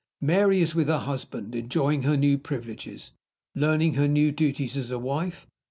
Mary is with her husband, enjoying her new privileges, learning her new duties, as a wife.